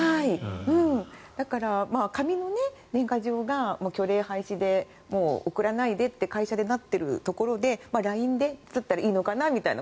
だから、紙の年賀状が虚礼廃止で送らないでって会社でなっているところでＬＩＮＥだったらいいのかなみたいな。